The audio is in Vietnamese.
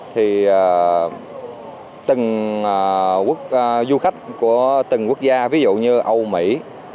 thì từng du khách của từng quốc gia ví dụ như âu mỹ